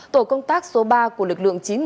tổ công tác số ba của lực lượng chín trăm một mươi một